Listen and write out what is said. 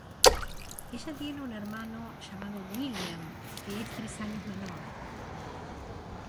Ella tiene un hermano llamado William, que es tres años menor.